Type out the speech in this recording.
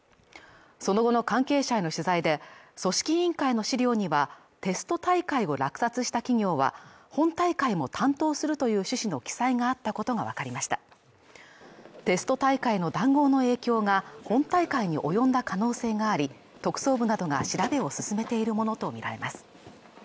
その後の関係者への取材で組織委員会の資料にはテスト大会を落札した企業は本大会も担当するという趣旨の記載があったことが分かりましたテスト大会の談合の影響が本大会に及んだ可能性があり特捜部などが調べを進めているものと見られます